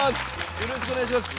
よろしくお願いします！